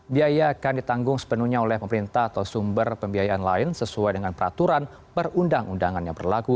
biaya akan ditanggung sepenuhnya oleh pemerintah atau sumber pembiayaan lain sesuai dengan peraturan perundang undangan yang berlaku